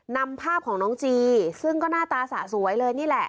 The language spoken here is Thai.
นำภาพของน้องจีซึ่งก็หน้าตาสะสวยเลยนี่แหละ